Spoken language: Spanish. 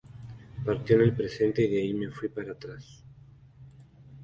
Partió en el presente y de ahí me fui para atrás.